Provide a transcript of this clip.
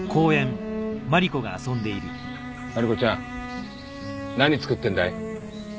真梨子ちゃん何作ってんだい？